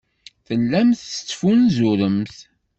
Tellamt tettfunzuremt.